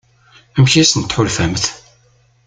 Amek i asen-tḥulfamt?